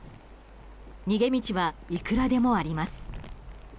逃げ道はいくらでもあります。